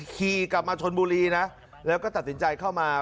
ขี่กลับมาชนบุรีนะแล้วก็ตัดสินใจเข้ามา